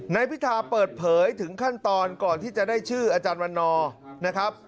พิธาเปิดเผยถึงขั้นตอนก่อนที่จะได้ชื่ออาจารย์วันนอร์นะครับ